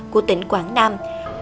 của tỉnh quảng nam